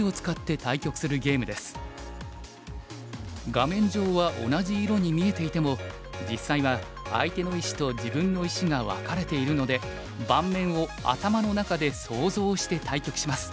画面上は同じ色に見えていても実際は相手の石と自分の石が分かれているので盤面を頭の中で想像して対局します。